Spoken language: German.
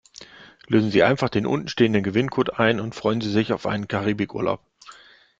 Lösen Sie einfach den unten stehenden Gewinncode ein und freuen Sie sich auf einen Karibikurlaub.